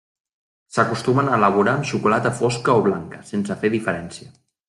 S'acostumen a elaborar amb xocolata fosca o blanca sense fer diferència.